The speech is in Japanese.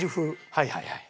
はいはいはい。